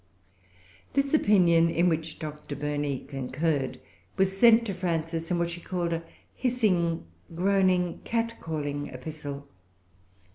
This opinion, in which Dr. Burney concurred, was sent to Frances, in what she called "a hissing, groaning, catcalling epistle."